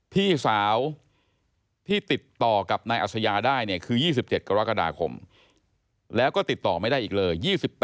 พี่สาวที่ติดต่อกับนายอัศยาได้เนี่ยคือ๒๗กรกฎาคมแล้วก็ติดต่อไม่ได้อีกเลย